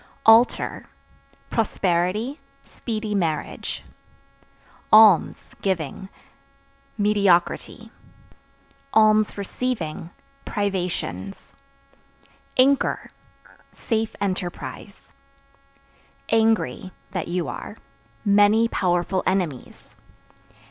Altar Prosperity, speedy marriage. Alms (Giving) mediocrity; (receiving) privations. Anchor Safe enterprise. Angry (That you are) many powerful enemies.